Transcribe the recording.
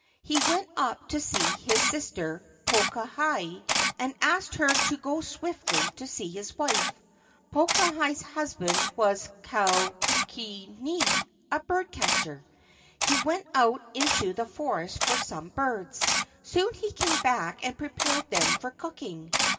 He went up to see his sister Pokahi, and asked her to go swiftly to see his wife. Pokahi's husband was Kaukini, a bird catcher. He went out into the forest for some birds. Soon he came back and prepared them for cooking.